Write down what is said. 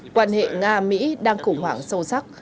quan hệ nga mỹ đang khủng hoảng sâu sắc